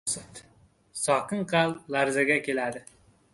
Sokin qalbi larzaga keladi.